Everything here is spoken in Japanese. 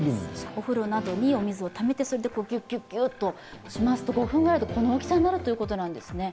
お風呂などにお水をためてギュッギュッと、５分くらいでこの大きさになるということです。